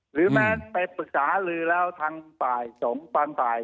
หรือแม้ไปปรึกษาลือแล้วทางฝ่ายสงฆ์บางฝ่าย